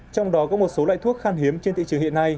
trong đó có một số loại thuốc khan hiếm trên thị trường hiện nay